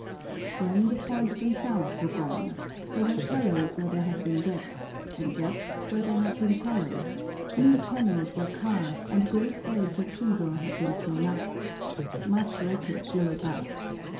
Then the fords themselves were gone; there were shallows where there had been depths, and depths where there had been shallows; new channels were carved, and great beds of shingle had been thrown up. Much wreckage lay about.